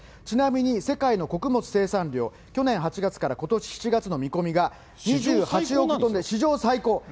ちなみに世界の穀物生産量、去年８月からことし７月の見込みが２８億トンで史上最高。